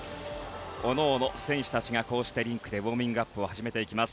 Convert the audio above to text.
おのおの選手たちがこうしてリンクでウォーミングアップを始めていきます。